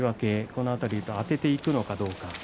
この辺りとあてていくのかどうか。